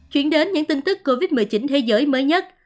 chuyển đến những tin tức covid một mươi chín thế giới mới nhất